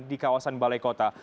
di kawasan balai kota